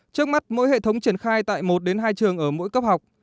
trước mắt mỗi hệ thống triển khai tại một hai trường ở mỗi cấp học